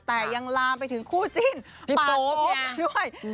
แต่ยังลามไปถึงคู่จิ้นปาดโป๊ปอีกด้วย